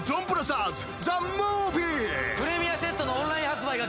プレミアセットのオンライン発売が決定！